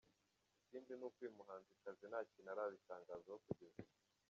Ikindi ni uko uyu muhanzikazi nta kintu arabitangazaho kugeza ubu.